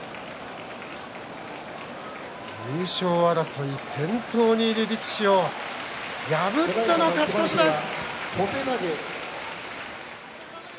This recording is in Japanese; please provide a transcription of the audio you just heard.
優勝争い先頭にいる力士を破っての勝ち越しです。